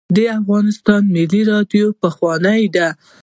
د افغانستان ملي راډیو پخوانۍ ده